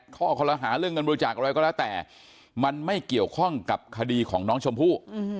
ข้อคอลหาเรื่องเงินบริจาคอะไรก็แล้วแต่มันไม่เกี่ยวข้องกับคดีของน้องชมพู่